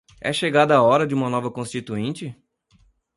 É chegada a hora de uma nova Constituinte?